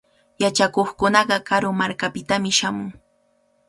Yachakuqkunaqa karu markakunapitami shamun.